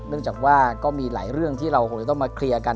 จากว่าก็มีหลายเรื่องที่เราคงจะต้องมาเคลียร์กัน